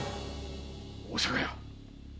大坂屋。